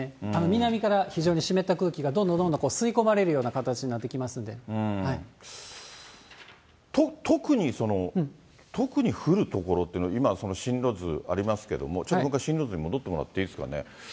南から非常に湿った空気がどんどんどんどん吸い込まれるような形特に、特に降る所っていうのは、今、進路図ありますけれども、ちょっともう一回、進路図に戻ってもらっていいですかね。